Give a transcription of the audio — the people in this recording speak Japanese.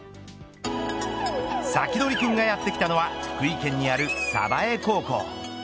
サキドリくんがやってきたのは福井県にある鯖江高校。